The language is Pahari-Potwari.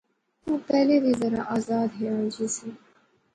او پہلے وی ذرا آزاد خیال جئی سی